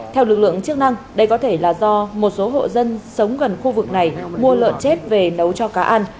theo lực lượng chức năng đây có thể là do một số hộ dân sống gần khu vực này mua lợn chết về nấu cho cá ăn